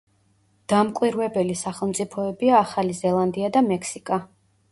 დამკვირვებელი სახელმწიფოებია ახალი ზელანდია და მექსიკა.